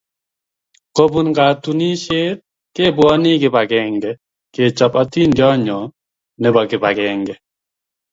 kobun katunisiet, kebwonii kip agenge kechob atindionyoo nebo kip agenge